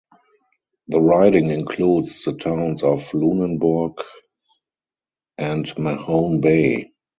The riding includes the towns of Lunenburg and Mahone Bay.